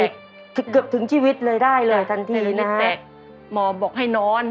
เกือบเกือบถึงชีวิตเลยได้เลยทันทีในแตะหมอบอกให้นอน